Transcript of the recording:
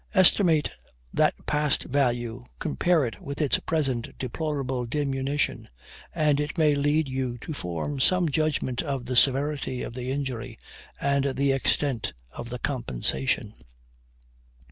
Estimate that past value compare it with its present deplorable diminution and it may lead you to form some judgment of the severity of the injury, and the extent of the compensation.